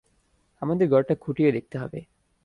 আমাদের ঘরটা খুঁটিয়ে দেখতে হবে।